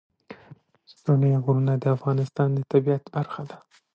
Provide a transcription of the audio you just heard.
ستوني غرونه د افغانستان د طبیعت برخه ده.